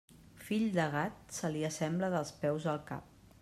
Fill de gat, se li assembla dels peus al cap.